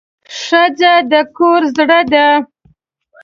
ښځه د کورنۍ زړه ده.